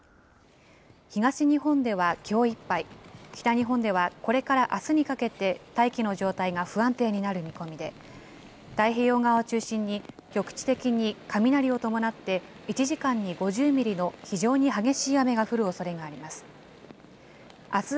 東日本ではきょういっぱい、北日本ではこれからあすにかけて、大気の状態が不安定になる見込みで、太平洋側を中心に、局地的に雷を伴って１時間に５０ミリの非常に激しい雨が降るおそれがあります。